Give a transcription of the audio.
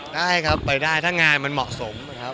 ได้ครับไปได้ทั้งงานมันเหมาะสมครับดีครับ